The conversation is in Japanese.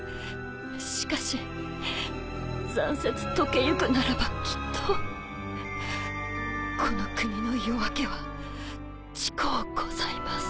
しかし残雪解けゆくならばきっとこの国の夜明けは近うございます。